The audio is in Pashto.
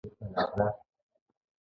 خوشحالي ښایسته دی.